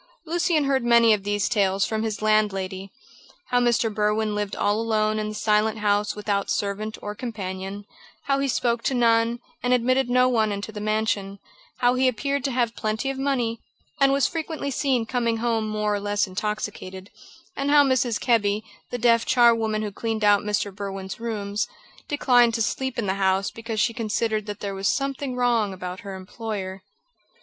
Lucian heard many of these tales from his landlady. How Mr. Berwin lived all alone in the Silent House without servant or companion; how he spoke to none, and admitted no one into the mansion; how he appeared to have plenty of money, and was frequently seen coming home more or less intoxicated; and how Mrs. Kebby, the deaf charwoman who cleaned out Mr. Berwin's rooms, declined to sleep in the house because she considered that there was something wrong about her employer.